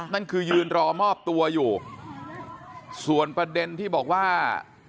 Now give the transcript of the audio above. นั่นคือยืนรอมอบตัวอยู่ส่วนประเด็นที่บอกว่า